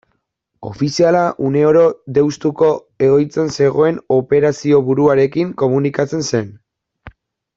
Ofiziala une oro Deustuko egoitzan zegoen operazioburuarekin komunikatzen zen.